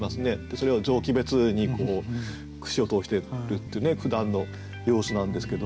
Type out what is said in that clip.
それを臓器別に串を通してるっていうふだんの様子なんですけども。